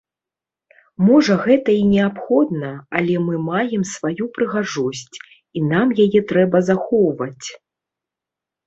Можа гэта і неабходна, але мы маем сваю прыгажосць і нам яе трэба захоўваць.